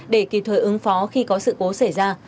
để kịp thời ứng phó khi có sự cố xảy ra